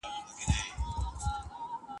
ته به خبره نه یې ..